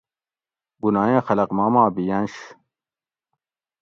بُنائیں خلق ما ما بِئینش